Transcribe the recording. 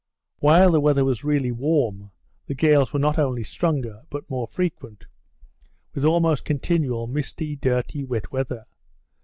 While the weather was really warm, the gales were not only stronger, but more frequent, with almost continual misty, dirty, wet weather.